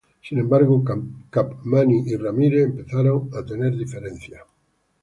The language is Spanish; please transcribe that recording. Sin embargo, Capmany y Ramírez empezaron a tener diferencias.